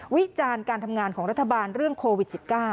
วิจารณ์การทำงานของรัฐบาลเรื่องโควิด๑๙